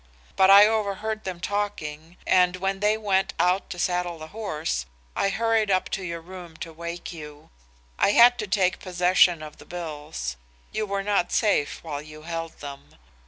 But I overheard them talking and when they went out to saddle the horse, I hurried up to your room to wake you. I had to take possession of the bills; you were not safe while you held them.